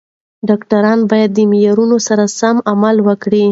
ډاکټران باید د معیارونو سره سم عمل وکړي.